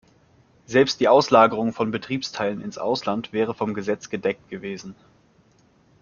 Selbst die Auslagerung von Betriebsteilen ins Ausland wäre vom Gesetz gedeckt gewesen.